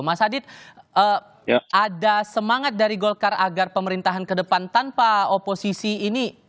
mas adit ada semangat dari golkar agar pemerintahan ke depan tanpa oposisi ini